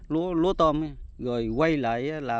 cái lúa tôm rồi quay lại